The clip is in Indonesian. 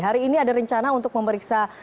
hari ini ada rencana untuk memeriksa